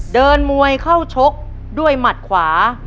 มวยเข้าชกด้วยหมัดขวา